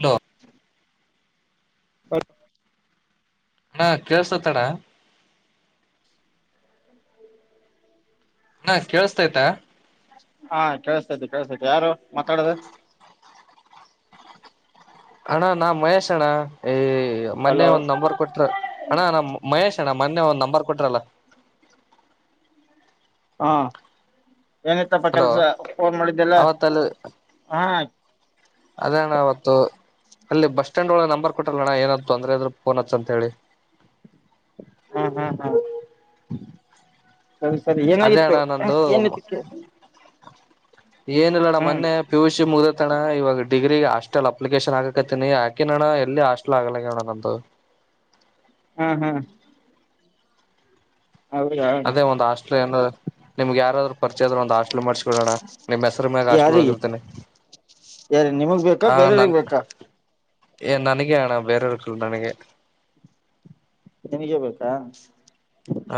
hello ಹ ಅಣ್ಣಾ ಕೆಲಿಸ್ತ್ ಅಣ್ಣ ಕೇಳಸ್ತೈತ ಹಾ ಕೆಲಿಸ್ಥಿತೈದಿ ಸ ಯಾರು ಮಾತಾಡದು ಅಣ್ಣಾ ನಾ ಮಹೇಶ್ ಅಣ್ಣ ಈ ಮೊನ್ನೆ ಹಲೋ ಒಂದ್ ನಂಬರ್ ಕೊಟ್ರ ಅಣ್ಣ ನಮ್ಮ್ ಮಹೇಶ್ ಅಣ್ಣ ಮೊನ್ನೆ ಒಂದ್ ನಂಬ ನಂಬಾರ್ ಕೊಟ್ನಾಳ ಹಾ ಏನತ್ತಪ್ಪ ಹಲೋ ಕೆಲ್ಸ ಫೋನ್ ಮಾಡಿದ್ದೆಲ್ಲ ಹಾ ಅದೆ ಅಣ್ಣಾ ಅವತ್ತು ಅಲ್ಲಿ ಬಸ್ ಸ್ಟ್ಯಾಂಡ್ ಒಳಗೆ ನಂಬರ್ ಕೊಟ್ಟಲ್ಲ ಅಣ್ಣ ಏನಾದು ತೊಂದ್ರೆ ಆದ್ರು ೋನ್ ಅತ್ ಅಂತ ಹೇಳಿ ಹಾ ಹಾ ಹಾ ಸರಿ ಸರಿ ಅದೇ ಏನಾಗಿತ್ತು ಅಣ್ಣ ನಂದು ಏನಕ್ಕೆ ಏನ ಇಲ್ಲ ನಮ್ಮ ಮೊನ್ನೆ ಪಿುಷಿ ಮುಗ ಣ ಇವಾಗ ಡಿಗ್ರಿ ಹಾಸ್ಟೆಲ್ ಅಪ್ಲಿಕೇಶನ್ ಆಗಕತ್ತೀನಿ ಆಾಕಿ ಅಣ್ಣ ಎಲ್ಲಿ ಹಾಸ್ಟೆಲ್ ಆಗಲಣ್ಣ ನಂದು ಹ ಹಾ ಹಾ ಹೌದಾ ಅದೇ ಒಂದ್ ಹಾಸ್ಟೆಲ್ ಏನ ನಿಮ್ಗೆ ಯಾರಾದ್ರು ಪರಿಚೆ ಆದ್ರ ಒಂದು ಹಾಸ್ಟಲ್ ಮಾಡಸ್ಕೊಡೋಣ ನಿಮ್ ಹೆಸರು ಮ್ಯಾಗ ಹಾಸ್ಟೆಲ್ ಒಳಿರ್ತೇನೆ ಯಾರ ನಿಮಗ್ ಬೇಕಾ ಬೇರೆಯವ್ರಗ್ ಬೇಕಾ ಏ ನನಗೆ ಅಣ್ಣ ಬೇರೆ ಅವನೂ ಅಲ್ಲಾ ನನಗೆ ನಿಂಗೆ ಬೇಕಾ ಹ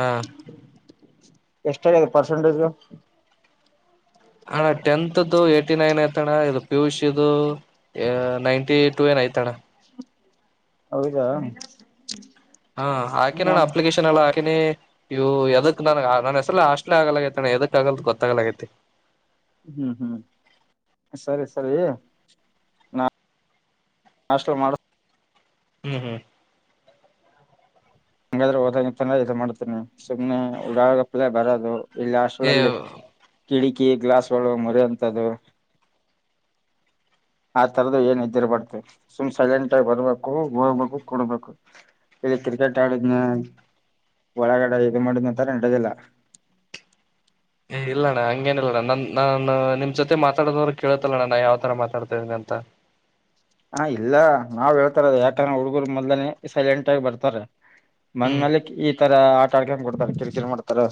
ಎಷ್ಟ ಪರ್ಸೆಂಟೇಜು ಅಣ್ಣಾ ಹತ್ತನೇ ಧು ಎಂಬತ್ತನಾಲ್ಕು ನೈನ್ ಐತಣ್ಣ ಇದು ಪಿಯುಷು ನೈನ್ಟಿ ಟ ಆಯ್ತಣ ಹೌದಾ ಹಾ ಆಾಕೆ ಹ್ಮ್ ನಾನು ಅಪ್ಲಿಕೇಶನ್ ಎಲ್ಲಾ ಇವು ಯದಕ್ ನನ್ ನನ್ ಹೆಸಾ ಆಶನೆೇ ಆಗಲಾಗೈತೆಣ್ಣ ಎದಕ್ ಆಗಲ್ ಗೊತ್ತಾಗಲಾಗೈತಿ ಹ ಹ್ಮ್ ಹ್ಮ್ ಸರಿ ಸರಿ ನಾ ಹಾಸ್ಟೆಲ್ ಮಾಡ ಹ್ಮ್ ಹ್ಮ್ ಹಂಗಾದ್ರೆ ಹೋದ ಚೆನ್ನಾಗಿ ಮಾಡ್ತೇನಿ ಸುಮ್ನೆ ಉಾಗ ಪಲೆ ಬರೋದು ಇಲ್ಲಿ ಏ ಅಷ್ಟಲ್ಲಿ ಕಿಟಕಿ ಗ್ಲಾಸ್ಗಳು ಮರಿ ಅಂತ್ದು [inaudible] ಆ ತರದ್ದು ಏನ್ ಇದಿರ್ಬಡ್ತ ಸುಮ್ ಸೈಲೆಂಟ್ ಆಗಿ ಬರ್ಬೇಕು ಹೋಗ್ಬೇಕು ಕುಡ್ಬೇಕು ಇಲ್ಲಿ ಕ್ರಿಕೆಟ್ ಆಟಾಡುದ್ನ ಒಳಗಡೆ ಇದು ಮಾಡುದ್ಂತರ ನಡದಿಲ್ಲ ಇಲ್ಲ ಅಣ್ಣ ಹಂಗೇನಿಲ್ಲಣ್ಣ ನನ್ ನಾನ್ ನಿಮ್ ಜೊತೆ ಮಾತಾಡೋದವ್ರರು ಕೇಳುತ್ತಲ್ಲಣ್ಣ ನಾ ಯಾವ ತರ ಮಾತಾಡ್ತೇಿದನಿ ಅಂತ ಹಾ ಇಲ್ಲ ನಾವ್ ಹೇಳ್ತಾರದ ಯಾಕಂದ್ರೆ ಹುಡ್ಗರು ಮೊದಲನನೆ ಸೈಲೆಂಟ್ ಆಗಿ ಬರ್ತಾರ ಬಂದ ಹ್ಮ್ ಮೇಲೆಕ್ ಈ ತರ ಆಟ ಆಡ್ಕನ್ ಕೊಡ್ತಾರ ಕಲ್ ಕಿರ್ ಮಾಡ್ತಾರ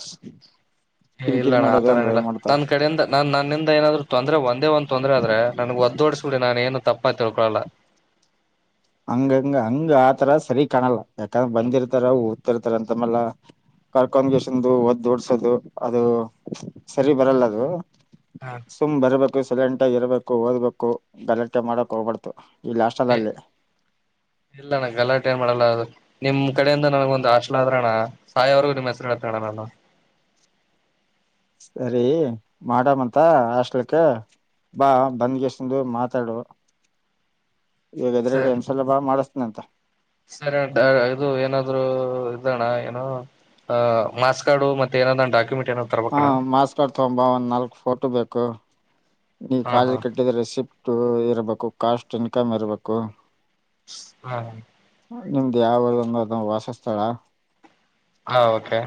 ಏ ಕಿರಿಕಿರಿ ಇಲ್ಲಣ್ಣ ಆ ಮಾಡೋದು ತರ ಹಂಗ ಇಲ್ಲ ಮಾಡ್ತಾರ ನನ್ ಕಡೆಯಿಂದ ನಾನ್ ನನ್ನಿಂದ ಏನಾದ್ರು ತೊಂದ್ರೆ ಒಂದೇ ಒಂದ್ೊಂದರೆ ಆದ್ರೆ ನನ್ಗ್ ಅದೋಡ್ಸಕಡಿ ನಾನು ಏನು ತಪ್ಪ ತಿಳ್ಕೊಳಲ್ಲ ಹಂಗ ಹಂಗ ಹಂಗ ಆತರ ಸರಿ ಕಾಣಲ್ಲ ಯಾಕಂದ್ರ ಬಂದಿರ್ತಾರ ಓದತಿರ್ತಾರ ಅಂತ ಮಲ್ಲ ಕರ್ಕೊಂಡ್ಸಂದು ಒದ್ದ ಓಡ್ಸೋದು ಅದು ಸರಿ ಬರಲ್ಲ ಅದು ಹ ಸುಮ್ ಬರ್ಬೇಕು ಸಲೆಂಟ ಇರ್ಬೇಕು ಓದ್ಬೇಕು ಗಲಾಟೆ ಮಾಡಕ್ ಹೋಗ್ಬಾರಡ್ತು ಇಲ್ಲ ಅಷ್ಟಲ್ಲಲ್ಲೇ ಇಲ್ಲಣ ಗಲಾಟೆ ಏನು ಮಾಡಲ್ಲ ಅದು ನಿಮ್ ಕಡೆಯಿಂದ ನನಗ ಒಂದು ಆಾಲ ಆದ್ರಣ್ಣ ಸಾಯಿವರೆಗೂ ನಿಮ್ ಹೆಸರುಡತಣ್ಣ ನಾನು ಸರಿ ಮಾಡಮಂತ ಹಾಸ್ಟಲ ಬಾ ಬಂದ್ಗೆಷ್ಟಂದು ಮಾತಾಡು ಈಗ ಎದ್ರಗಡೆ ಹೆಸಲ ಬಾ ಮಾಡಿಸತನ ಅಂತ ಸರಿ ಅಂಟ ಇದು ಏನಾದ್ರರು ಇದಣ್ಣ ಏನ ಆ ಮಾಸ್ ಕಾರ್ಡು ಮತ್ತ ಏನಾದ ಡಾಕ್ಯುಮೆಂಟ್ ಏನಾದ್ ಹಾ ತರ್ಬೇಕಣ್ಣ ಮಾಸ್ ಕಡ್ ತೊಂಬ ಒಂದ್ ನಾಲ್ಕ್ ಫೋಟೋ ಬೇಕು ಈ ಹಾ ಹಾ ಕಾಲೇಜ ಕಟ್ಟಿದ್ರ ರೆಸಿಪ್ಟ್ ಇರಬೇಕು ಕಾಸ್ಟ್ ಇನ್ಕಮ್ ಇರ್ಬೇಕು ಹಾ ನಿಮ್ದ್ ಯಾವದಂದು ಅದ ವಾಸಸ್ಥಳ ಹಾ ಓಕೆ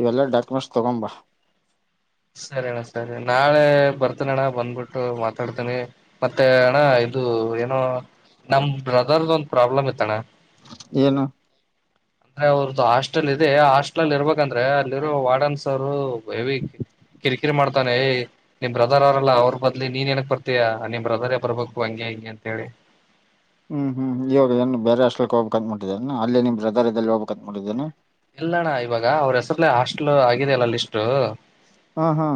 ಇವೆಲ್ಲ ಡಾಕ್ಯುಮೆಂಟ್ಸ್ ತಗೊಂಬ ಸರಿ ಅಣ್ಣ ಸರಿ ನಾಳೆ ಬರ್ತನ ಅಣ್ಣ ಬಂದ್ಬಿಟ್ಟು ಮಾತಾಡ್ತೇನಿ ಮತ್ತೆ ಅಣ್ಣ ಒಂದು ಏನೋ ನಮ ಬ್ರದರ್ದ ಒಂದು ಪ್ರಾಬ್ಲಮ್ ಇತ್ತಣ್ಣ ಏನು ಅಂದ್ರೆ ಅವ್ರದ್ದು ಹಾಸ್ಟೆಲ್ ಇದೆ ಆ ಹಾಸ್ಟೆಲ್ ಅಲ್ ಇರ್ಬೇಕಂದ್ರೆ ಅಲ್ಲಿರೋ ವಾರ್ಡನ್ಸ ಅವರು ಕಿರಿಕಿರಿ ಮಾಡ್ತ ನಿ ಬ್ರದರ್ ಅವ್ರಲ್ಲ ಅವ್ರ ಬದ್ಲಿ ನೀನ್ ಏನಕ್ ಬರ್ತೀಯ ನಿಮ್ ಬ್ರದರೇ ಬರ್ಬೇಕು ಹಂಗೆ ಹಿಂಗೆ ಅಂತ ಹೇಳಿ ಹ್ಮ್ ಹ್ಮ್ ಇವಾಗ ಏನ್ ಬೇರೆ ಅಷ್ಟಕ್ ಹೋಗಬೇಕಕ್ ಅತಟ್ಟಿದೇನ ಅಲ್ಲಿ ನಿ ಬ್ರದರ್ದಲ್ಲಿ ಹೋಗಬೇಕಕ್ ಅತ್ಬಿಟ್ಟಿದ್ದೇನ ಎಲ್ಲಣ್ಣ ಇವಾಗ ಅವ್ರ ಹೆಸರ್ಲೆ ಹಾಸ್ಟೆಲ್ ಆಗಿದಲ್ಲ ಲ್ಟು ಹಾ ಹಾ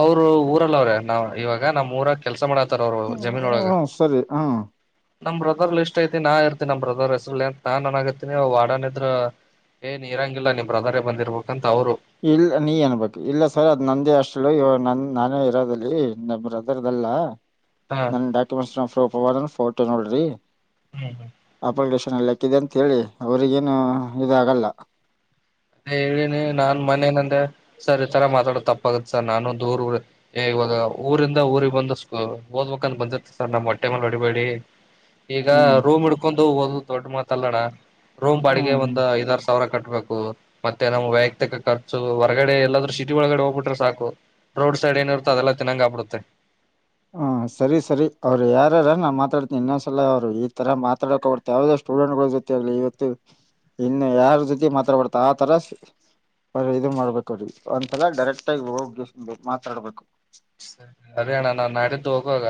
ಅವರು ಊರಲ್ಲ ಅವ್ರೆ ನಾವ್ ಇವಾಗ ನಮ್ಮ್ ಊರಾಗ ಕೆಲ್ಸ ಮಾಡ ಅವರು ಜಮೀನ್ ಒಳಗೆ ಹ್ಮ್ ಸರಿ ಹ್ಮ್ ನಮ್ ಬ್ರೋ ಇಷ್ಟ ಐತಿ ನಾ ಇರ್ತತಿನ ನಮ ಬ್ರದರ್ ಹೆಸರು ಎಂತ ನಾನ್ ನನಾಗರ್ತಿನಿ ವಾಡನಿದ್ರರು ಏನ್ ಇರಂಗಿಲ್ಲ ನಿ ಬ್ರದರೇ ಬಂದಿರ್ಬೇಕಂತ ಅವರು ಇಲ್ಲ ನೀ ಏನ್ಬೇಕು ಇಲ್ಲ ಸರ್ ಅ ನಂದೇ ಅಷ್ಟು ಇವ ನನ್ ನಾನೇ ಇರೋದಲ್ಲಿ ನಮ್ಮ ಬ್ರದರ್ದೆಲ್ಲ ಹ ನನ್ ಡಾಕ್ಯುಮೆಂಟ್ಸ್ ಫೋಟೋ ನೋಡ್ರಿ ಹ್ಮ್ ಹ್ಮ್ ಕ್ಕಿದೆ ಅಂತ ಹೇಳಿ ಅವ್ರಿಗೇನು ಇದಾಗಲ್ಲ ಅ ಹೇಳಿನಿ ನಾನ್ ಮನೇನಂದೆ ಸರ್ ಈ ತರ ಮಾತಾಡ ತಪ್ಪಾಗತ್ ಸರ್ ನಾನು ದೂರ್ ಊರಿಂದ ಊರಿಗೆಗ್ ಬಂದು ಓದ್ಬೇಕಂತ ಬಂದಿರ್ತ್ತ ಸರ್ ನಮ್ಮ್ ಹೊಟ್ಟೆ ಮೇಲೆ ಹೊಡಿಬೇಡಿ ಈಗ ಹ್ಮ್ ರೂಮ್ ಇಡ್ಕೊಂಡು ಹಓ ದೊಡ್ಡ ಮಾತ ಅಲ್ಲೋಣ ರೂಮ್ ಹ್ಮ್ ಬಾಡಿಗೆ ಹ್ಮ್ ಒಂದು ಐದಾರು ಸಾವಿರ ಕಟ್ಟ ಬೇಕು ಮತ್ತೆ ನಮ್ಮ್ ವೈಯಕ್ತಿಕ ಖರ್ಚು ಹೊರಗಡೆ ಎಲ್ಲಾದ್ರೂ ಸಿಟಿ ಒಳಗಡೆ ಹೋಗ್ಬಿಟ್ರೆ ಸಾಕು ರೋಡ್ ಸೈಡ್ ಏನ ಇರ್ತ ಅದೆಲ್ಲ ತಿನ್ನಂಗ ಆಬಿಡುತ್ತೆ ಹ್ಮ್ ಸರಿ ಸರಿ ಅವ್ರು ಯಾರ ನಾ ಮಾತಾಡ್ತೀ ಇನ್ನೊಂದಸಲ ಅವರು ಈ ತರ ಮಾತಾಡಕ ಅವರ್ ಯಾವ್ದಾವ ಸ್ಟೂಡೆಂಟ್ ಗಳು ಇವತ್ತು ಇನ್ನು ಯಾರ ಜೊತೆ ಮಾತಾಬಡ್ತ ಆತರ ಅರಿ ಇದು ಮಾಡ್ಬೇಕ್ರಿ ಒಂದ್ಸಲ ಡೈರೆಕ್ಟ್ ಆಗ ಹೋಗಿ ಮಾತಾಡ್ಬೇಕು ಸರಿ ಅಣ್ಣ ನಾ ನಾಡಿದ್ದು ಹೋಗುವಾಗ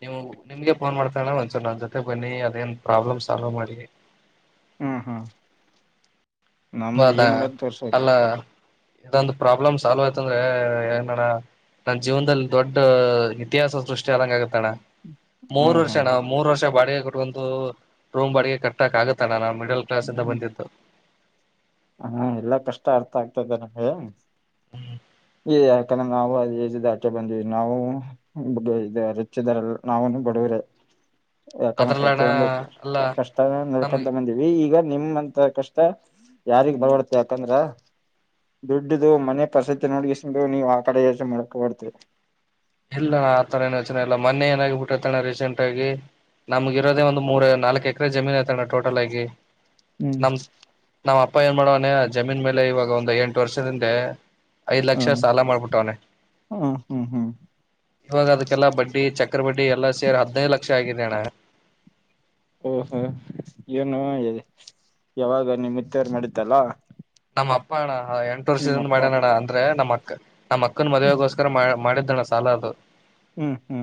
ನೀವು ನಿಮ್ಗೆ ಫೋನ್ ಮಾಡ್ತಾಲ್ಲ ಒಂಚೂರು ನನ್ನ ಜೊತೆ ಬನ್ನಿ ಅದೇನ್ ಪ್ರಾಬ್ಲಮ್ ಸಾಲ್ವ್ ಮಾಡಿ ಹ್ಮ್ ಹ್ಮ್ ನಮ್ದ ಏನ ಮತ್ತ ತೋರ್ಸಕು ಇದೊಂದ ಪ್ರಾಬ್ಲಮ್ ಸಾಲ್ವ್ ಆಯ್ತ ಅಂದ್ರೆ ಏನಣ ನನ್ ಜೀವನದಲ್ಲಿ ದೊಡ್ಡ ಇತಿಹಾಸ ಸೃಷ್ಟಿ ಅದಾಗುತ್ತೆ ಅಣ್ಣ ಮೂರ್ ಹ್ಮ್ ವರ್ಷ ಹ್ಮ್ ನ ಮೂರ್ ವರ್ಷ ಬಾಡಿಗೆ ಕೊಟ್ಂತು ರೂಮ್ ಬಾಡಿಗೆ ಕಟ್ಟಕ್ ಆಗತ್ತಣ್ಣ ನಮ ಮಿಡಲ್ ಕ್ಲಾಸ್ಂದ ಹ್ಮ್ ಬಂದಿದ್ದು ಹಾ ಎಲ್ಲಾ ಕಷ್ಟ ಅರ್ಥ ಆಗ್ತದೆ ನಮ್ಗೆ ಹ್ಮ್ ಹೇ ಯಾಕಂದ್ರೆ ನಾವು ಅದುಜಾಕೆ ಬಂದ್ಿವವಿ ನಾವುಚ್ಚಿದಲ್ಲ ನಾವು ಬಡವರೆ ಹ ಯಾಕಂದ್ರ ಪ್ರತಿಯೊಂದು ಕಷ್ಟ ನಮ್ಗೆ ನಡ್ಕೊಂತ ಬಂದಿವವಿ ಈಗ ನಿಮಂತ ಕಷ್ಟ ಯಾರಿಿಗೆ ಬರಬಾರದು ಯಾಕಂದ್ರ ದುಡ್ಡದು ಮನೆ ಪರಸ್ಥಿತಿ ನೋಡು ನೀವು ಆ ಕಡೆ ಯೋಚನೆ ಮಾಡಕ ಬರ್ದು ಇಲ್ಲ ನಾ ಆತರ ಏನು ಯೋಚನೆ ಇಲ್ಲ ಮನೆ ಏನಾಗಬ ಬಿಟ್ಟಿರ್ತೇಣ ರೀಸೆಂಟ್ ಆಗಿ ನಮ್ಗ ಇರೋದ ಒಂದು ಮೂರ ನಾಲ್ಕಕ್ ಎಕರೆ ಜಮೀನ್ ಐತಣ್ಣ ಟೋಟಲ್ ಆಗಿ ಹೂ ಪ್ಪ ಏನ್ ಮಾಡವಾನೆ ಜಮೀನ್ ಮೇಲೆ ಇವಾಗ ಒಂದು ಎಂಟು ವರ್ಷದಿಂದೆ ಐದ್ ಲಕ್ಷ ಹ್ಮ್ ಸಾಲ ಮಾಡ್ಬಿಟ್ಟ ಅವನ ಹ್ಮ್ ಹ್ಮ್ ಹ್ಮ್ ಇವಾಗ ಅದಕ್ಕೆಲ್ಲ ಬಡ್ಡಿ ಚಕ್ರ ಬಡ್ಡಿ ಎಲ್ಲಾ ಸೇರಿ ಹದ್ನೈದು ಲಕ್ಷ ಆಗಿದೇಣ್ಣ ಓಹೋ ಏನು ಯಾವಾಗ ನಿಮ್ಮತ್ತರ್ ಮಾಡತ್ತಲ್ಲ ನಮ್ಮ ಅಪ್ಪ ಅಣ್ಣ ಎಂಟು ವರ್ಷದಿಂದ ಮಾಡ್ಯಣ ಅಂದ್ರೆ ನಮ್ಮ ಅಕ್ಕ ನಮಕ್ಕನ್ ಮದುವವೆೆಗೋಸ್ಕರ ಮಾಡಿದ್ದಣ್ಣ ಸಾಲ ಅದು ಹೂ ಹೂ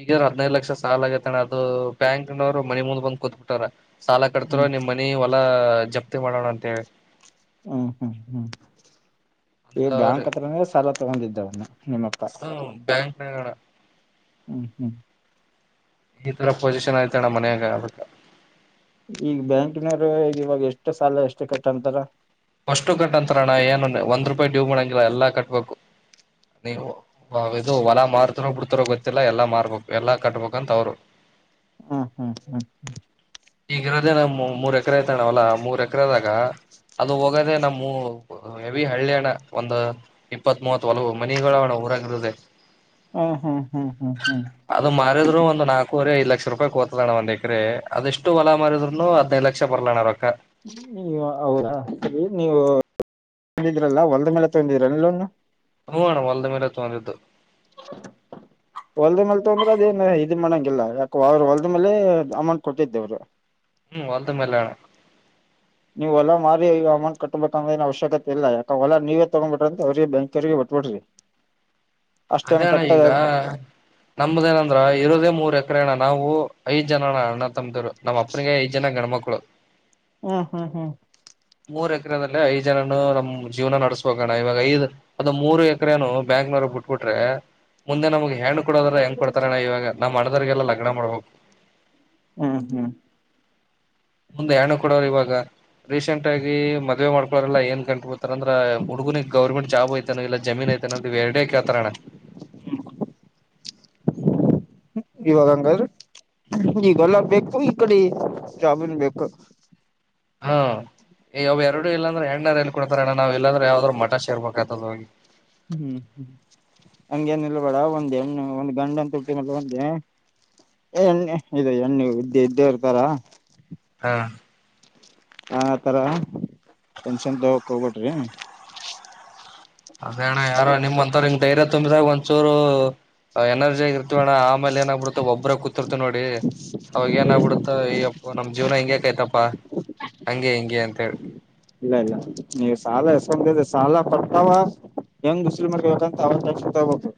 ಈಗಾದ್ರ ಹದ್ೈದು ಲಕ್ಷ ಸಾಲ ಆಗೈತ ಅಣ್ಣ ಅದು ಬ್ಯಾಂಕ್ನವ್ರು ಮನೆಿ ಮುಂದ ಬಂದ ಕೂತ್ಬಿತಾರ ಸಾಲ ಕಟ್ ತೀರೋ ಹ್ಮ್ ನಿಮ್ ಮನಿ ಹೊಲ ಜಪ್ತಿ ಮಾಡೋಣ ಅಂತೇಳಿ ಹೂ ಹೂ ಹೂ ಈ ಅಂತವ್ರ ಬ್ಯಾಂಕ್ ಹತ್ರನ ಸಾಲ ತಗೊಂಡಿದ್ದವನ್ನ ನಿಮ್ಮಪ್ಪ ಹ ಬ್ಯಾಂಕ್ನಣ ಹೂ ಹೂ ಈ ತರ ಪೊಸಿಷನ್ ಐತಿ ಅಣ್ಣ ಮನ್ಯಾಗ ಅಕ್ಕ ಈಗ ಬ್ಯಾಂಕಿನವರು ಇವಾಗ ಎಷ್ಟು ಸಾಲ ಎಷ್ಟು ಕಟ್ಟಂತಾರ ಅಷ್ಟು ಕಟ್ಂತರಣ್ಣ ಏನ ಒಂದ್ ರೂಪಾಯಿ ಡಿವು ಮಾಡಂಗಿಲ್ಲ ಎಲ್ಲಾ ಕಟ್ಬೇಕು ನೀವು ಇದು ಹೊಲ ಮಾರ್ತರೋ ಬಿಡ್ತಾರೋ ಗೊತ್ತಿಲ್ಲ ಎಲ್ಲಾ ಮಾರ್ಬೇಕಕ್ ಎಲ್ಲಾ ಕಟ್ಬೇಕಕ್ಂತ ಅವ್ರು ಹ ಹಹ ಹ ಹ ಣ ಮೂರ್ ಎಕ್ರ ಐತಣ ಅವಲ್ಲ ಮೂರ್ ಎಕ್ರದಾಗ ಅದು ಹೋಗದೆ ನಮ್ಮ ಹೆವಿ ಹಳ್ಳಿಣ ಒಂದು ಇಪ್ಪತ್ ಮೂವತ್ ಒಲ ಮನಿಗಳಣ ಊರ ಹ್ಮ್ ಹ್ಮ್ ಹ್ಮ್ ಹ್ಮ್ ಹ್ಮ್ ಹ್ಮ್ ಅದು ಮಾರಿದ್ರು ಒಂದು ನಾ ಕೋರಿ ಐದ ಲಕ್ಷ ರೂಪಾಯಿ ಕೋತಲಣ ಒಂದ್ಕ್ರರೆ ಅಷ್ಟು ಒಲಾರಿದ್ೂ ಹದಿನೈದು ಲಕ್ಷ ಬರಲ್ಲ ಅಣ್ಣ ನೀ ಹೌದಾ ರಿ ನೀವು ತಂದಿದೀರಲ್ಲ ಒಂದ ಮೇಲೆ ತೊಂದಿದೀರ ಲೋನ್ ಹೂ ಅಣ್ಣ ಹೊಲ್ದ ಮೇಲೆ ತಗೊಂಡಿದು ಹ ಹೊಲ್ದ ಮೇಲೆ ತೊಂದ್ರೆ ಅದೇನ್ ಇದ್ ಮಾಡಂಗಿಲ್ಲ ಯಾಕ ಅವರು ಹೊಲ್ದ ಮೇಲೆ ಅಮೌಂಟ್ ಕೊಟ್ಟಿದ್ದೇವರು ಹೂ ಹೋಲ್ಡ್ ಮೇಲೇನೆ ಅಣ್ಣ ನೀವು ಹೊಲಾ ಮಾರಿ ಅಮೌಟ್ಬೇಕಂದ್ರಏ ಅವಶ್ಯಕತೆ ಇಲ್ಲ ಯಾಕ ಹೊಲ ನೀವೇ ತಗ್ಬ ಬಿ್ರ ಅ ಅವ್ರಿಗೆ ಬ್ಯಾಂಿ ಕೋಡ್ರಿ ಅದೇ ಅಣ್ಣ ಈಗ ನಮ್ದ ನಂದ್ರ ಇರದೇ ಮೂರ್ ಎಕರೆ ಅಣ್ಣ ನಾವು ಐದ್ ಜನ ಅಣ್ಣ ತಮ್ಮದವ್ರು ನಮ್ಮ್ ಅಪ್ಪನಿಗೆ ಐದ್ ಜನ ಗಣ್ಮಕ್ಳು ಹೂ ಹೂ ಹೂ ಮೂರು ಎಕರೆದಲ್ಲಿ ಐದು ಜನನು ನಮ್ಮ್ ಜೀವನ ನಡೆಸ್ಬೇಕಣ ಇವಾಗ ಐದು್ಅದು ಮೂರು ಎಕರೆೆಯನು ಬ್ಯಾಂಗ್ಳೂರ್ ಬಿಟ್ಟ ಬಿಟ್ರೆ ಮುಂದೆ ನಮ್ಗೆ ಹೆಣ್ ಹ್ ಕೊಡದ್ರ ಹೆಂಗ್ ಕೊಡ್ತಾರಣ ಇವಾಗ ನಾವ್ ಮಾಡದರ್ಗೆಲ್ಲ ಲಗ್ನ ಮಾಡ್ಬೇಕು ಹ್ಮ್ ಹ್ಮ್ ಮುಂದೆ ಹೆ ಣು ಕೊಡೋವ್ರ ಇವಾಗ ರೀಸೆಂಟ್ ಆಗ ಮದ್ವೆ ಮಾಡಕೋರೆಲ್ಲ ನ್ ಕಟ್ು ಬಿತ ಅಂದ್ರ ಹುಡ್ಗನಂಗ ಗರ್ಮೆಂಟ್ ಜಾಬ್ ಐತಾನ ಇಲ್ಲ ಜಮೀನ್ ಐತೆ ಅವೆರದೇ ಕೇಳ್ತಾರನ್ನ ಇವಾಗ ಹಂಗಾದ್ರೀ ಈ ಗಲ್ಲ ಬೇಕು ಈ ಕಡೆ ಜಾಬ್ ಬೇಕು ಹಾ ಯ್ ಎರಡು ಇಲ್ಲಾಂದ್ರೆ ಹೆಂಗ್ನಾರ ಹೆಣ್ಣ್ ಎಲ್ಲಿ ಕೊಡ್ತಾರೆ ಅಣ್ಣ ನಾವು ಇಲ್ಲಂದ್ರೆ ಯಾವ್ದ್ರು ಮಠ ಸೇರ್ಬೇಕತದೋಗಿ ಹ್ಮ್ ಹ್ಮ್ ಹ್ಮ್ ಹಂಗೇನ ಇಿಲ್ಲ ಬೇಡ ಒಂದ್ ಹೆಣ್ಣು ಒಂದ್ ಗಂಡಂತ ಎಣ್ಣೆ ಇದು ಎಣ್ಣ ಇದ್ದೇ ಇದ್ದೇ ಇರ್ತಾರ ಹಾ ಹಾ ಸಾರ ಟೆನ್ಷನ್ ತಕ್ ಹೋಗ್ಬಿಟ್ರಿ ಅದೇಣ್ಣ ಯಾರ ನಿಮ್ಂತ ಅವ್ರು ಧೈರ್ಯ ತುಂಬಿದಾಗ ಒಂದಚೂರು ಎನರ್ಜಿ ಇರ್ತವ ಅಣ್ಣ ಆಮೇಲೆ ಏನ್ಬ ಬಿಡತೆ ಒಬ್ಬ್ರೂತಿರ್ತ ನೋಡಿ ಅವಾಗ ಏನ ಆಗಬಿಡುತ್ತ ಈಪ್ಪ ನಮ್ ಜೀವನ ಹೆಂಗಕಯ್ತಪ್ಪಾ ಹಂಗೆ ಹೆಂಗಗೆ ಅಂತ ಹೇಳಿ ಇಲ್ಲ ಇಲ್ಲ ನೀ ಸಾಲ ಸಾಲ ಪಡ್ತಾವ ಯಂಗ್ ವಸೂಲಿ ಮಾಡ್ಕೋಬೇಕು ಅಂತ ಅವ್ರ್ ಟೆನ್ಶನ್ ತಗೋಬೇಕು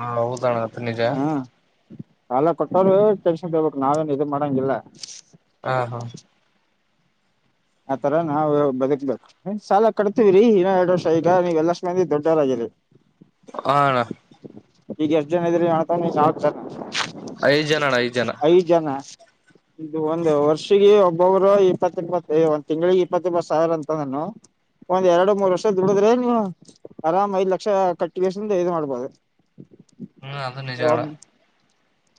ಹಾ ಹೌದಣ ಅದು ನಿಜ ಹಾ ಸಾಲ ಕೊಟ್ಟೋರು ಟೆನ್ಶನ್ ತಗೋಬೇಕು ನಾವೇನ್ ಇದ್ ಮಾಡಂಗಿಲ್ಲ ಹಾ ಹಾ ಆತರ ನಾವವು ಬದುಕ್ಬೇಕು ಸಾಲ ಕಟ್ತೀವ್ರೀ ಇನ್ನೋ ಎರಡು ವರ್ಷ ಈಗ ನೀ್ವೆಲ್ಲಷ್ಟು ಮಂದಿ ದೊಡ್ಡರಾಗಿರಿ ಹ್ಮ ಹ ಅಣ ಈಗ ಎಷ್ಟ್ ಜನ ಇದ್ರಿ ಮಾಡತಾನನ್ ನಾವ ಜ ಐದ್ ಜನ ಅಣ್ಣ ಐದ್ ಜನ ಇದು ಒಂದು ವರ್ಷಗ ಒಬ್ಬೊಬ್ರು ಇಪ್ಪತ್ತ ಇಪ್ಪತ್ತು ಏ್ ಒಂದ್ ತಿಂಗಳಿಗೆ ಇಪ್ಪತ್ತ ಬತ್ ಸಾವಿರ ಅಂತ ನಾನು ಒಂದ್ ಎರಡು ಮೂರ್ ವರ್ಷ ದುಡಿದ್ರೆ ನೀವು ಆರಾಮ್ ಐದ್ ಲಕ್ಷ ಕಟ್ಟಿ ಮಾಡ್ಬೋದು ಹ್ಮ್ ಅದು ನಿಜ ಅಣ್ಣ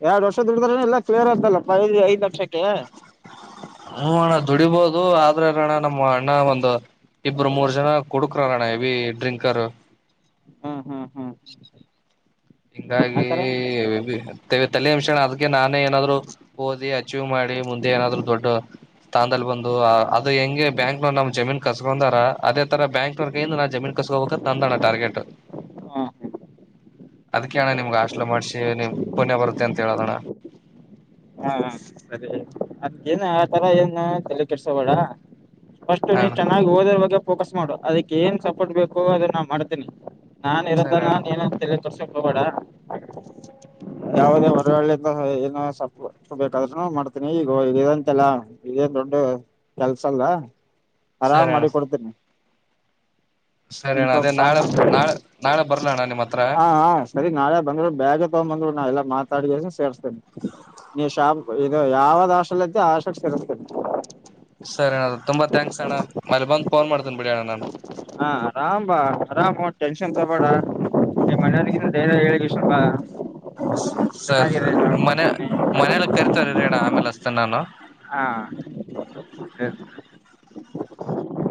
ಎರಡ್ ವರ್ಷ ದುಡಿದ್ರ ಎಲ್ಲಾ ಕ್ಲಿಯರ್ ಆಗ್ತಲ್ಲಪ್ಪ ಐದ್ ಲಕ್ಷಕ್ಕೆ ಹ್ಮ್ ಅಣ್ಣ ದುಡಿಬೋದು ಆದ್ರೆ ಅಲ್ಲಣ್ಣ ನಮ್ಮ ಅಣ್ಣ ಒಂದು ಇಬ್ರು ಮೂರ್ ಜನ ಕುಡುಕರಲ್ಲಣ್ಣ ಹೆವಿ ಡ್ರಿಂಕರ್ ಹ್ಮ ಹ್ಮ್ ಹ್ಮ್ ಹಿಂಗಾಗಿ ಆತರ ತಲೆ ಬಿಸಿಣ್ಣ ಅದಕ್ಕೆ ನಾನೇ ಏನಾದ್ರು ಓದಿ ಅಚೀವ್ ಮಾಡಿ ಮುಂದೆ ಏನಾದ್ರು ದೊಡ್ಡ ಸ್ಥಾನದಲ್ಲಿ ಬಂದು ಅದು ಹೆಂಗೆ ಬ್ಯಾಂಕ್ನೋರ್ ನಮ್ ಜಮೀನ್ ಕಸ್ಕೊಂಡಾರ ಅದೇ ತರ ಬ್ಯಾಂಕ್ನೋರ್ ಕೈಿಂದ ನಾಮ್ ಜಮೀನ್ ತಂದ ಅಣ್ಣ ಟಾರ್ಗಟ್ ಹಾ ಅದಕ್ಕೆಣ್ಣ ನಿಮ್ಗೆ ಆಶಲ ಮಾಡ್ಸಿ ಪುಣ್ಯ ಬರುತ್ತೆ ಅಂತ ಹೇಳದಣ್ಣ ಹಾ ಸರಿ ಅದ್ಕ್ಕೇನ್ ಆತರ ಏನು ತಲೆ ಕೆಡ್ಸೋಬೇಡ ಫಸ್ಟ್ ಹಾ ನೀ ಅಣ್ಣ ಚೆನ್ನಾಗಿ ಓದ್ರ ಬಗ್ಗೆ ಫೋಕಸ್ ಮಾಡು ಅದಕ್ಕೆ ಏನ್ ಸಪೋರ್ಟ್ ಬೇಕು ಅದ ನಾ ಮಾಡ್ತೇನಿ ನಾನ್ ಇರುದ ಸರಿ ಅಣ್ಣ ನಾನ್ ಏನ ೋ ಯಾವುದೇ ಹೊರಳ್ಳಿಂದ ಏನ ಬೇಕಾದ್ರರುನು ಮಾಡ್ತೇನಿ ಈಗಂತೆಲ್ಲಾ ಇದೇ ದೊಡ್ಡ ಕೆಲ್ಸ ಅಲ್ ಆರಾಮ್ ಸರಿ ಅಣ್ಣ ಮಾಡಿ ಕೊಡ್ತೇನಿ ಸರಿ ಅಣ್ಣ ಅದೇ ಸಣ್ಣ ನಾಳೆ ನಾಳ ನಾಳೆ ಬರ್ಲಣ್ಣ ನಿಮ್ಮ್ ಹತ್ರ ಹಾ ಹಾ ಸರಿ ನಾಳೆ ಬಂದ್ರು ಬೇಗ ತಗೊಂಡ್ ಬಂದ್ರು ನಾ ಎಲ್ಲ ಮಾತಾಡಿದ ಸೇರ್ಸ್ತೇನೆ ನೀ ಶಾಾಮ ಇದು ಯಾವ್ದ್ ಆಶೆಲತ್ತ ಆಶಕ್ ತಿರತೀಿ ಸರಿ ಅಣ್ಣ ತುಂಬಾ ಥ್ಯಾಕ್ಸ್ ಅಣ್ಣ ಮನೆಗ್ ಬಂದ್ ಮೇಲೆ ಫೋನ್ ಮಾಡ್ತೇನ ಬಿಡಿ ಅಣ್ಣ ನಾನು ಹಾ ಆರಾಮಾ ಆರಾಮ ಟೆನ್ಷನ್ ತಬೇಡ ನಿ ಮನೆಯವ್ರಿಗಿಂತ ಧೈರ್ಯ ಹೇಳಗೆ ಶಪ ಸರಿ ಸರಿ ಮನೆ ಮನೇಲಿ ಕರಿತವಾರರಿ ಣ್ಣ ಆಮೇಲೆ ಹಸ್ತ ನಾನು ಹಾ ಹೇಳ್ ಹ